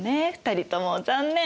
２人とも残念。